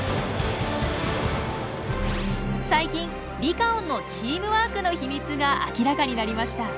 最近リカオンのチームワークの秘密が明らかになりました。